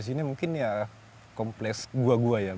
di sini mungkin ya kompleks gua gua ya